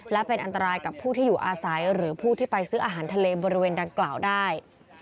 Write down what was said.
และเป็นอันตรายกับผู้ที่อยู่อาศัยหรือผู้ที่ไปซื้ออาหารทะเลบริเวณดังกล่าวได้